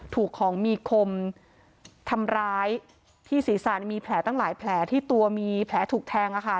ถูกของมีคมทำร้ายที่ศีรษะมีแผลตั้งหลายแผลที่ตัวมีแผลถูกแทงอะค่ะ